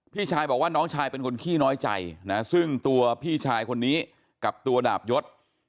พี่ชายบอกว่าน้องชายเป็นคนขี้น้อยใจนะซึ่งตัวพี่ชายคนนี้กับตัวดาบยศ